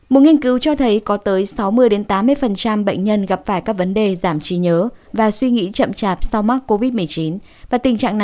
một nghiên cứu cho thấy có tới sáu mươi tám mươi bệnh nhân gặp phải các vấn đề giảm trí nhớ và suy nghĩ chậm chạp sau mắc covid một mươi chín